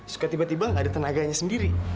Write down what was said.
suka tiba tiba gak ada tenaganya sendiri